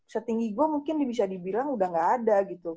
setinggi gue mungkin bisa dibilang udah gak ada gitu